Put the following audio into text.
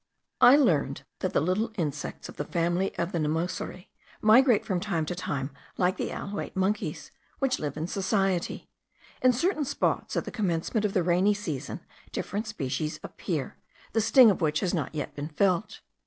I learned that the little insects of the family of the nemocerae migrate from time to time like the alouate monkeys, which live in society. In certain spots, at the commencement of the rainy season, different species appear, the sting of which has not yet been felt.